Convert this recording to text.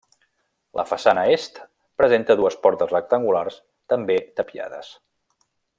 La façana est presenta dues portes rectangulars també tapiades.